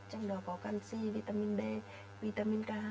trong đó có canxi vitamin d vitamin k hai